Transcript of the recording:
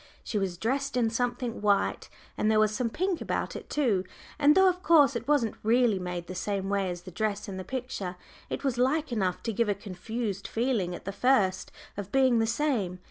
She was dressed in something white, and there was some pink about it, too; and though of course it wasn't really made the same way as the dress in the picture, it was like enough to give a confused feeling at the first of being the same.